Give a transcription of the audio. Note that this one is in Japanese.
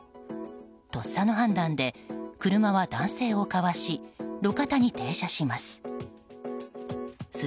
とっさの判断で車は男性をかわし路肩に停車します。